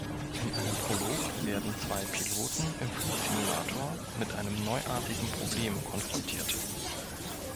In einem Prolog werden zwei Piloten im Flugsimulator mit einem neuartigen Problem konfrontiert.